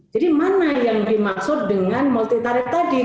jadi mana yang dimaksud dengan multitaref tadi